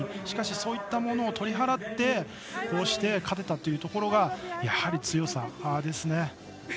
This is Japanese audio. しかし、そういったものを取り払ってこうして勝てたというところがやはり強さですね。